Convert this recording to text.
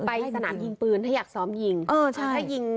คือไปสถานที่ยิงปืนถ้าอยากซ้อมยิง